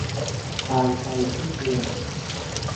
การใช้ที่ดิน